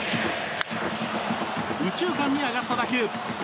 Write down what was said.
右中間に上がった打球。